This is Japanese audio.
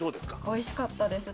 おいしかったです